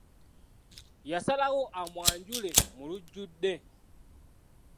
Yasalawo amwajule mu lujjudde.